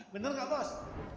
benar gak bos